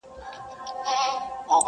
هره ورځ په دروازه کي اردلیان وه٫